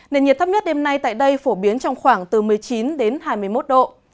nền nhiệt thấp nhất đêm nay tại đây phổ biến trong khoảng từ một mươi chín đến hai mươi một độ